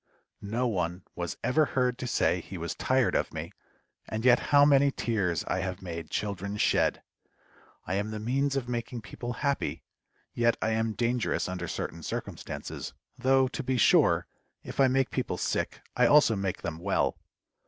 No one was ever heard to say he was tired of me, and yet how many tears I have made children shed! I am the means of making people happy, yet I am dangerous under certain circumstances, though, to be sure, if I make people sick, I also make them well.